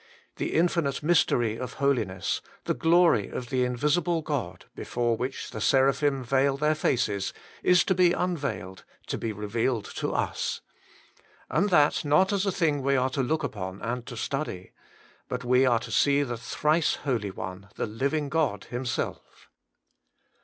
The infinite mystery of holiness, tue glory of the Invisible God, before which the sera phim veil their faces, is to be unveiled, to be revealed to us. And that not as a thing we are to look upon and to study. But we are to see the Thrice Holy One, the Living God Himself.